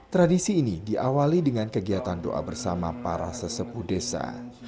tradisi ini diawali dengan kegiatan doa bersama para sesepu desa